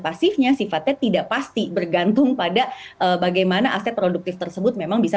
pasifnya sifatnya tidak pasti bergantung pada bagaimana aset produktif tersebut memang bisa